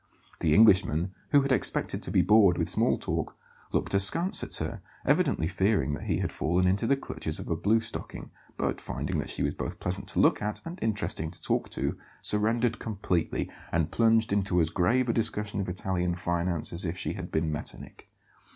The Englishman, who had expected to be bored with small talk, looked askance at her, evidently fearing that he had fallen into the clutches of a blue stocking; but finding that she was both pleasant to look at and interesting to talk to, surrendered completely and plunged into as grave a discussion of Italian finance as if she had been Metternich.